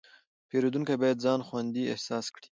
پیرودونکی باید ځان خوندي احساس کړي.